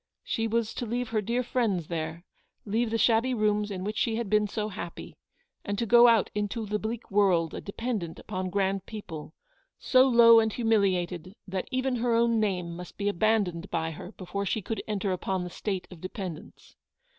She was to leave her dear friends there ; leave the shabby rooms in which she had been so happy,, and to go out into the bleak world a dependant upon grand people, so low and humi liated that even her own name must be abandoned by her before she could enter upon the state of dependence.